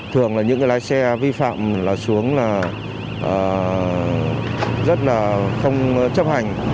thường là những cái lái xe vi phạm là xuống là rất là không chấp hành